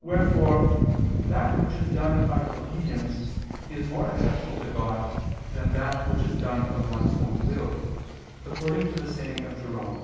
Wherefore that which is done out of obedience is more acceptable to God than that which is done of one's own will, according to the saying of Jerome (Ep.